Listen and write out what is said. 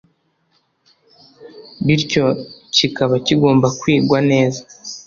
bityo kikaba kigomba kwigwa neza